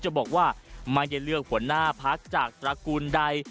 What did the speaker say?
จะบอกว่าไม่ได้นี่หัวหน้าภักดิ์จากตระกูลใด